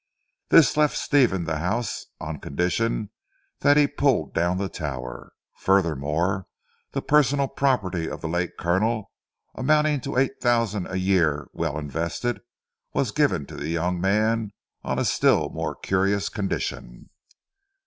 This left Stephen the house, on condition that he pulled down the tower. Furthermore the personal property of the late Colonel, amounting to eight thousand a year well invested, was given to the young man on a still more curious condition.